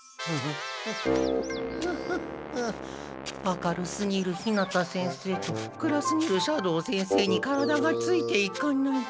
明るすぎる日向先生と暗すぎる斜堂先生に体がついていかない。